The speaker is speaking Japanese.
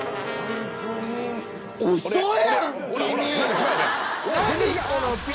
ウソやん君！